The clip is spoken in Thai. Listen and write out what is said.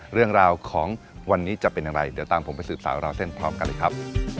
เรื่องราวของวันนี้จะเป็นอย่างไรเดี๋ยวตามผมไปสืบสาวราวเส้นพร้อมกันเลยครับ